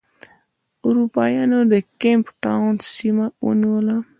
اروپا یانو د کیپ ټاون سیمه ونیوله.